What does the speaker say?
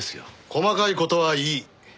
細かい事はいい。